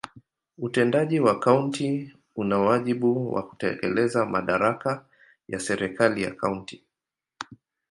Utendaji wa kaunti una wajibu wa kutekeleza madaraka ya serikali ya kaunti.